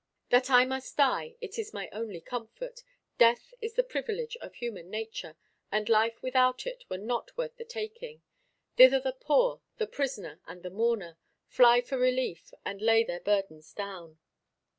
'That I must die, it is my only comfort; Death is the privilege of human nature, And life without it were not worth the taking. Thither the poor, the prisoner, and the mourner Fly for relief, and lay their burdens down.'